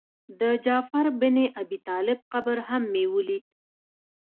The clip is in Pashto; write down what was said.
د جعفر بن ابي طالب قبر هم مې ولید.